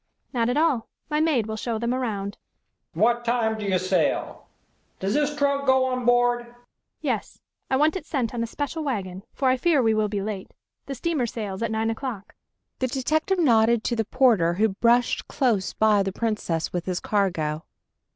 "Not at all. My maid will show them around." "What time do you sail? Does this trunk go on board?" "Yes, I want it sent on a special wagon, for I fear we will be late. The steamer sails at nine o'clock." The detective nodded to the porter, who brushed close by the Princess with his cargo.